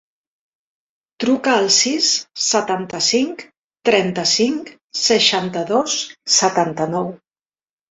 Truca al sis, setanta-cinc, trenta-cinc, seixanta-dos, setanta-nou.